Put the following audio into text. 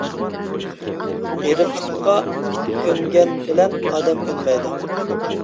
غېرىبلىققا ئىت كۆنگەن بىلەن ئادەم كۆنمەيدۇ.